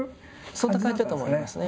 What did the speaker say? そんな感じだと思いますね。